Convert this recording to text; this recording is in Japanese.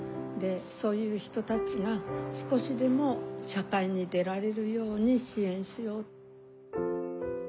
でそういう人たちが少しでも社会に出られるように支援しよう。